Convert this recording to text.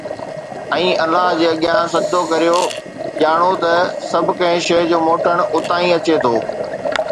۽ الله جي اڳيان سجدو ڪريو، ڄاڻو ته سڀڪنھن شيء جو موٽڻ اتان ئي اچي ٿو.